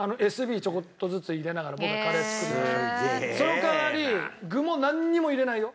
その代わり具もなんにも入れないよ。